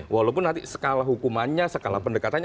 walaupun nanti skala hukumannya skala pendekatannya